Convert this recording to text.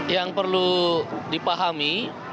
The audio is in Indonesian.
yang perlu dipahami